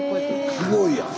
すごいやん！